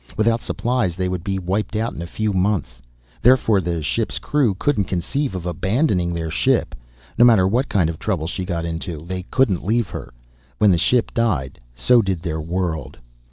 Without supplies they would be wiped out in a few months. Therefore the ship's crew couldn't conceive of abandoning their ship. No matter what kind of trouble she got into, they couldn't leave her. When the ship died, so did their world.